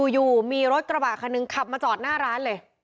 อยู่มีรถกระบะคันหนึ่งขับมาจอดหน้าร้านเลย